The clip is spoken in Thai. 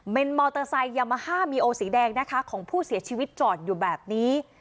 เป็นมอเตอร์ไซค์ยามาฮ่ามีโอสีแดงนะคะของผู้เสียชีวิตจอดอยู่แบบนี้